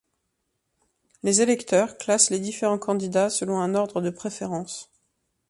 Les électeurs classent les différents candidats selon un ordre de préférence.